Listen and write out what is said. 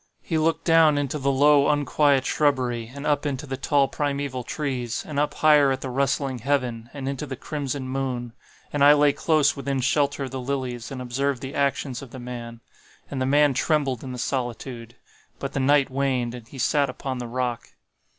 He looked down into the low unquiet shrubbery, and up into the tall primeval trees, and up higher at the rustling heaven, and into the crimson moon. And I lay close within shelter of the lilies, and observed the actions of the man. And the man trembled in the solitude;—but the night waned, and he sat upon the rock.